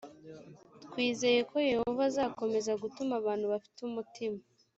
twizeye ko yehova azakomeza gutuma abantu bafite umutima